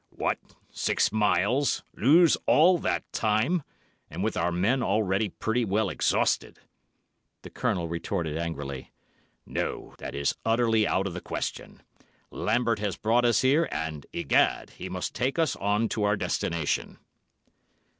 "What, six miles—lose all that time—and with our men already pretty well exhausted!" the Colonel retorted angrily. "No, that is utterly out of the question. Lambert has brought us here, and, egad, he must take us on to our destination."